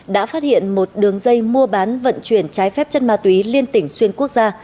đã phát hiện một đường dây mua bán vận chuyển trái phép chất ma túy liên tỉnh xuyên quốc gia